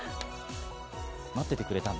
待っててくれたんだ。